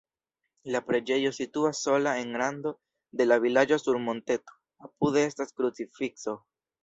La preĝejo situas sola en rando de la vilaĝo sur monteto, apude estas krucifikso.